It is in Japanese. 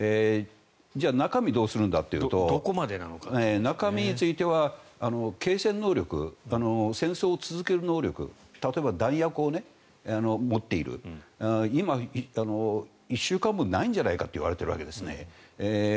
じゃあ、中身はどうするんだっていうと中身については継戦能力戦争を続ける能力例えば弾薬を持っている今、１週間分ないんじゃないかと言われているんですね。